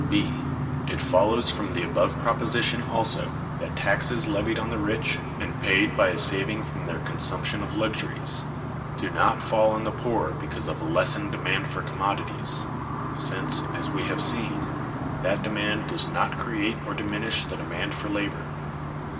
(b.) It follows from the above proposition also that taxes levied on the rich, and paid by a saving from their consumption of luxuries, do not fall on the poor because of a lessened demand for commodities; since, as we have seen, that demand does not create or diminish the demand for labor.